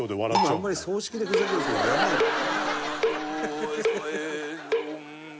「今あんまり葬式でふざけるとかやらないから」